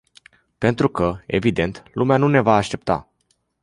Pentru că, evident, lumea nu ne va aștepta.